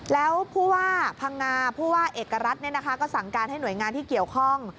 แล้วผู้ว่าพังงาผู้ว่าเอกรัฐก็สั่งการให้หน่วยงานที่เกี่ยวข้อง